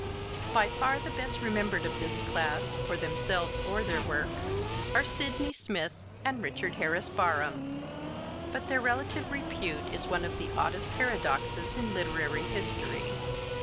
BARHAM] By far the best remembered of this class, for themselves or their work, are Sydney Smith and Richard Harris Barham; but their relative repute is one of the oddest paradoxes in literary history.